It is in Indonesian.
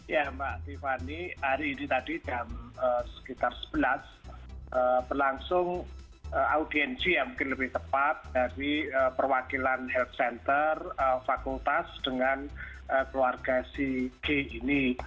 ya mbak tiffany hari ini tadi jam sekitar sebelas berlangsung audiensi yang mungkin lebih tepat dari perwakilan health center fakultas dengan keluarga si g ini